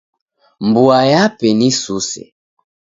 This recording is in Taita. Mboa yape ni suse.